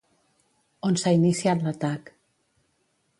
On s'ha iniciat l'atac?